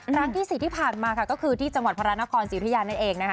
ครั้งที่๔ที่ผ่านมาค่ะก็คือที่จังหวัดพระนครศิริยานั่นเองนะคะ